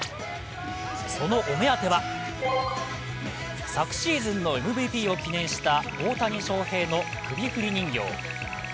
そのお目当ては昨シーズンのＭＶＰを記念した大谷翔平の首振り人形。